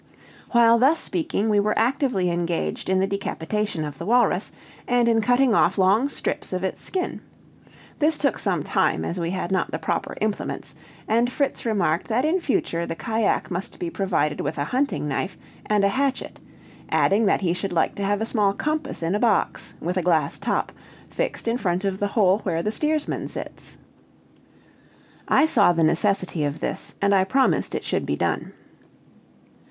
While thus speaking, we were actively engaged in the decapitation of the walrus, and in cutting off long strips of its skin. This took some time, as we had not the proper implements, and Fritz remarked that in future the cajack must be provided with a hunting knife and a hatchet; adding that he should like to have a small compass in a box, with a glass top, fixed in front of the hole where the steersman sits. I saw the necessity of this, and I promised it should be done.